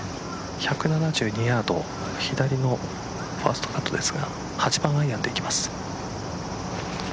１７２ヤード左のファーストカットですが８番アイアンでいきます。